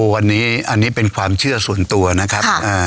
วันนี้อันนี้เป็นความเชื่อส่วนตัวนะครับ